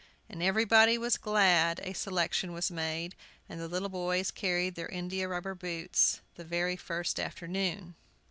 And everybody was glad a selection was made, and the little boys carried their india rubber boots the very first afternoon.